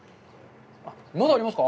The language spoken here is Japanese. まだありますか？